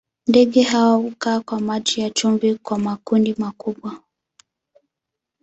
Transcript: Ndege hawa hukaa kwa maji ya chumvi kwa makundi makubwa.